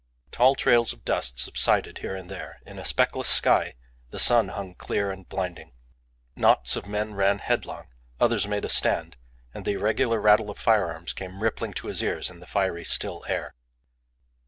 Tall trails of dust subsided here and there. In a speckless sky the sun hung clear and blinding. Knots of men ran headlong; others made a stand; and the irregular rattle of firearms came rippling to his ears in the fiery, still air.